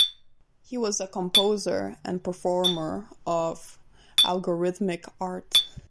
He was a composer and performer of algorithmic art.